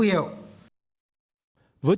với tư tưởng chỉ đạo xuyên suốt